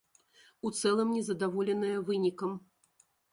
У цэлым не задаволеныя вынікам.